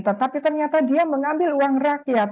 tetapi ternyata dia mengambil uang rakyat